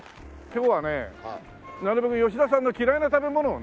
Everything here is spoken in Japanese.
今日はねなるべく吉田さんの嫌いな食べ物をね。